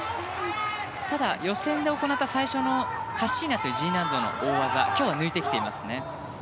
ただ、予選で行った最初のカッシーナというＧ難度の大技を今日は抜いてきています。